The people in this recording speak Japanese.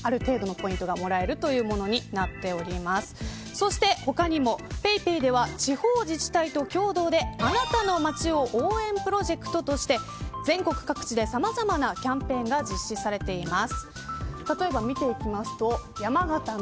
そして他にもＰａｙＰａｙを地方自治体と共同であなたの街を応援プロジェクトとして全国各地でさまざまなキャンペーンが実施されています。